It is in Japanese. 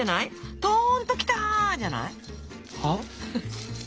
「とんときた！」じゃない？はあ？